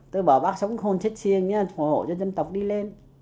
tôi bảo bác sống khôn chết xiên hỗn hộ cho dân tộc đi lên